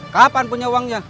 kapan punya uangnya